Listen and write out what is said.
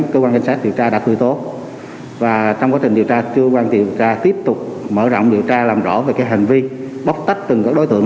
cơ quan điều tra tiếp tục mở rộng điều tra làm rõ về hành vi bóc tách từng đối tượng